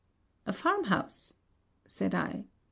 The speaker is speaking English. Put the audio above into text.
'A farm house!' said I.